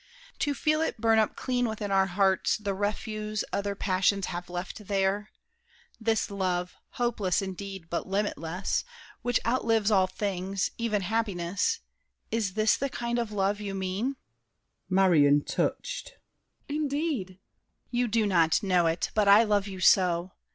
To feel it burn up clean within our hearts The refuse other passions have left there? This love, hopeless indeed, but limitless, Which outlives all things, even happiness— Is this the kind of love you mean? MARION (touched). Indeed! DIDIER. You do not know it, but I love you so!